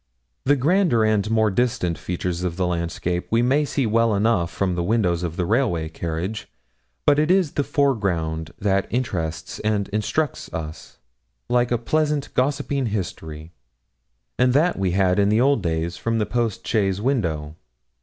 The grander and more distant features of the landscape we may see well enough from the window of the railway carriage; but it is the foreground that interests and instructs us, like a pleasant gossiping history; and that we had, in old days, from the post chaise window.